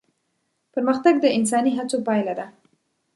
پرمختګ د انساني هڅو پايله ده.